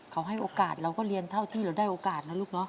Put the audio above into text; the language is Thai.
เขาให้โอกาสเราก็เรียนเท่าที่เราได้โอกาสนะลูกเนาะ